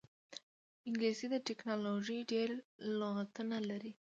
انګلیسي د ټیکنالوژۍ ډېری لغتونه لري